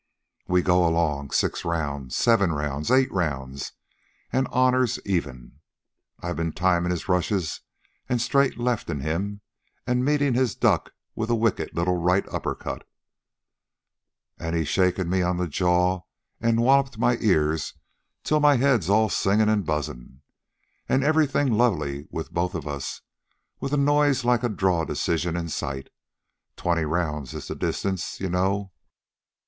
"We go along six rounds seven rounds eight rounds; an' honors even. I've been timin' his rushes an' straight leftin' him, an' meetin' his duck with a wicked little right upper cut, an' he's shaken me on the jaw an' walloped my ears till my head's all singin' an' buzzin'. An' everything lovely with both of us, with a noise like a draw decision in sight. Twenty rounds is the distance, you know.